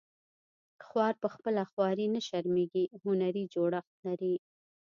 خوار په خپله خواري نه شرمیږي هنري جوړښت لري